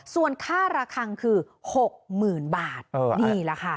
ส่วนค่าระคังคือ๖๐๐๐บาทนี่แหละค่ะ